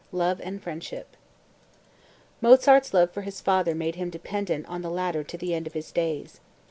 LOVE AND FRIENDSHIP Mozart's love for his father made him dependent on the latter to the end of his days.